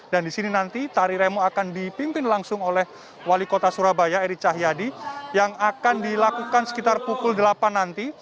di sini nanti tari remo akan dipimpin langsung oleh wali kota surabaya eri cahyadi yang akan dilakukan sekitar pukul delapan nanti